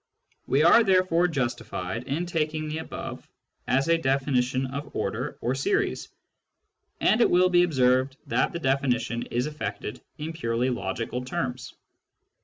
We are therefore justified in taking the above as a definition of order The Definition of Order 35 or series. And it will be observed that the definition is effected in purely logical terms.